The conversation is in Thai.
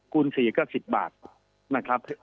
คูณ๔ก็๑๐บาทนะครับ